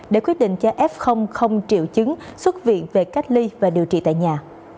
để quyết định cho f không triệu chứng xuất viện về cách ly và điều trị tại nhà